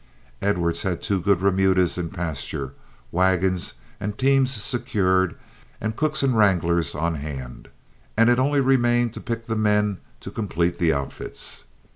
Edwards had two good remudas in pastures, wagons and teams secured, and cooks and wranglers on hand, and it only remained to pick the men to complete the outfits.